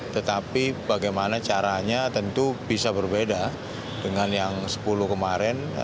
tetapi bagaimana caranya tentu bisa berbeda dengan yang sepuluh kemarin